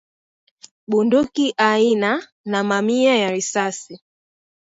bunduki aina na mamia ya risasi